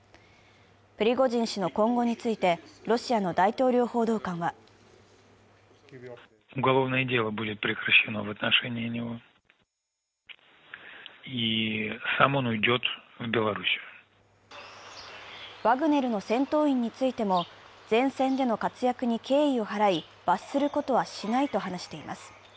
プリゴジン氏の今後についてロシアの大統領報道官はワグネルの戦闘員についても前線での活躍に敬意を払い罰することはしないと話しています。